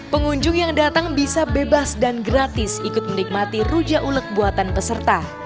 pengunjung yang datang bisa bebas dan gratis ikut menikmati rujak ulek buatan peserta